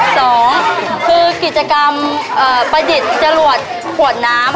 สองคือกิจกรรมประดิษฐ์จรวดขวดน้ำ